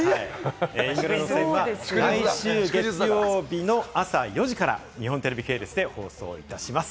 イングランド戦は来週月曜日の朝４時から日本テレビ系列で放送いたします。